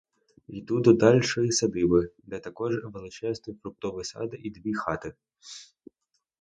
Йду до дальшої садиби, де також величезний фруктовий сад і дві хати.